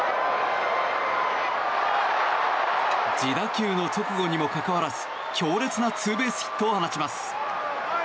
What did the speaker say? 自打球の直後にもかかわらず強烈なツーベースヒットを放ちます。